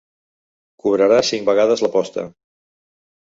Cobrarà cinc vegades l'aposta.